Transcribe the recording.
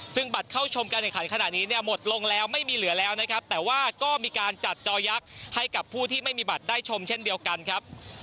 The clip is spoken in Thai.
ซึ่งบัตรเข้าชมการแข่งขันขณะนี้เนี่ยหมดลงแล้วไม่มีเหลือแล้วนะครับแต่ว่าก็มีการจัดจอยักษ์ให้กับผู้ที่ไม่มีบัตรได้ชมเช่นเดียวกันครับ